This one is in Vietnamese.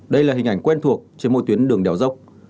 đây là hình ảnh quen thuộc trên một tuyến đường đèo dốc